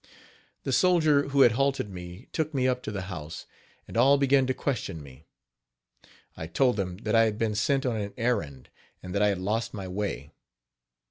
The soldier who had halted me took me up to the house, and all began to question me. I told them that I had been sent on an errand, and that I had lost my way.